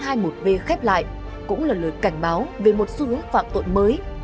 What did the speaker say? sơ chuyên án truy bắt bốn trăm hai mươi một v khép lại cũng là lời cảnh báo về một xu hướng phạm tội mới